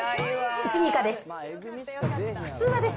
１ミカです。